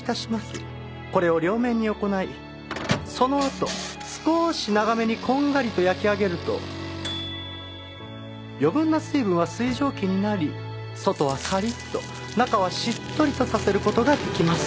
これを両面に行いそのあと少し長めにこんがりと焼き上げると余分な水分は水蒸気になり外はカリッと中はしっとりとさせる事ができます。